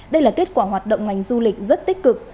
đây là kết quả hoạt động ngành du lịch rất tích cực